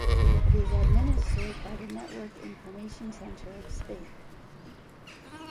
It is administered by the Network Information Centre of Spain.